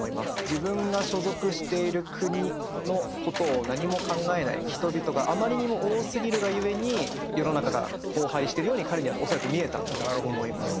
自分が所属している国のことを何も考えない人々があまりにも多すぎるが故に世の中が荒廃してるように彼には恐らく見えたんだと思います。